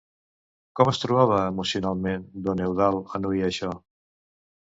Com es trobava emocionalment don Eudald en oir això?